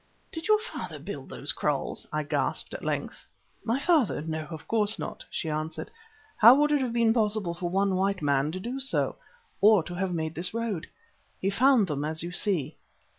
"Did your father build those kraals?" I gasped, at length. "My father! no, of course not," she answered. "How would it have been possible for one white man to do so, or to have made this road? He found them as you see."